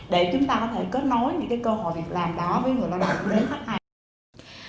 để chúng ta có thể kết nối những cái cơ hội việc làm đó với người lao động với khách hàng